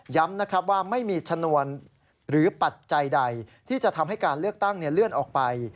ว่าไม่มีชนวนหรือปัจจัยใดที่จะทำให้การเลือกตั้งเลื่อนออกไป